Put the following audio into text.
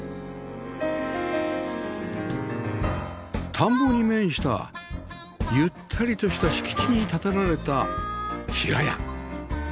田んぼに面したゆったりとした敷地に建てられた平屋